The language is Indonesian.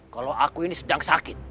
kalau aku ini sedang sakit